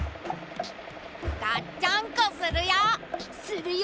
がっちゃんこするよ。するよ。